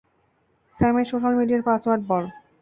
স্যামের social মিডিয়ার password বল?